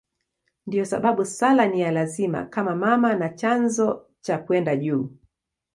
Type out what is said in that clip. Ndiyo sababu sala ni ya lazima kama mama na chanzo cha kwenda juu.